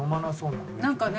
なんかね